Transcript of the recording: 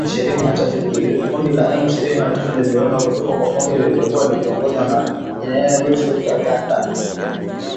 Kundi la m ishirini na tatu liliundwa kutoka kwa kundi lililokuwa likiongozwa na Generali Bosco Ntaganda